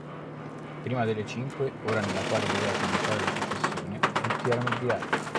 Prima delle cinque, ora nella quale doveva cominciare la processione, tutti erano ubriachi.